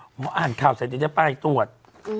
หมออ่านข่าวเสร็จแล้วจะป้ายตรวจ